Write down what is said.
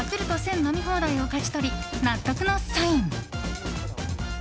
飲み放題を勝ち取り、納得のサイン。